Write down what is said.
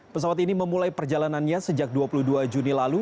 pesawat ini memulai perjalanannya sejak dua puluh dua juni lalu